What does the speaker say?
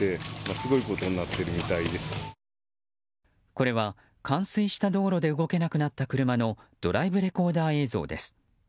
これは冠水した道路で動けなくなった車のドライブレコーダー映像です。